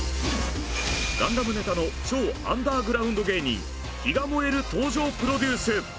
ガンダムネタの超アンダーグラウンド芸人ひがもえる登場プロデュース！